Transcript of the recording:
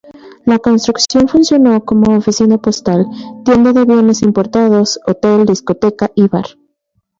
La construcción funcionó como oficina postal, tienda de bienes importados, hotel, discoteca y bar.